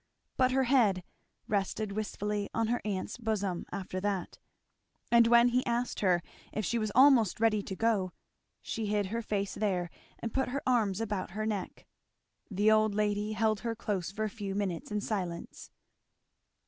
But her head rested wistfully on her aunt's bosom after that; and when he asked her if she was almost ready to go, she hid her face there and put her arms about her neck. The old lady held her close for a few minutes, in silence.